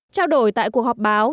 trao đổi tại cuộc họp báo